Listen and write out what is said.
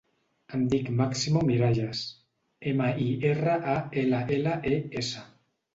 Em dic Máximo Miralles: ema, i, erra, a, ela, ela, e, essa.